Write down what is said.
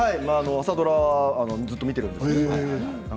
朝ドラずっと見ているんです。